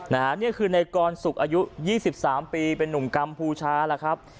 นะฮะนี่คือนายกรสุขอายุ๒๓ปีเป็นนุ่งกัมพูชาล่ะครับ